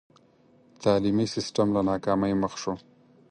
تعلیمي سسټم له ناکامۍ مخ شو.